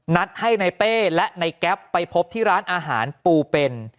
นัดให้ในเป้และในแก๊ปไปพบที่ร้านอาหารปูเป็น